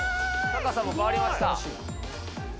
高さも変わりました。